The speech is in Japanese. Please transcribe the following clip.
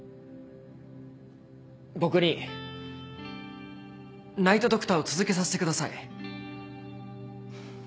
僕にナイト・ドクターを続けさせてください。